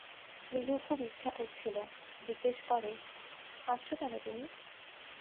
নীলুর খুব ইচ্ছা করছিল, জিজ্ঞেস করে-হাসছ কেন তুমি?